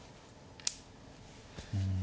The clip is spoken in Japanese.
うん。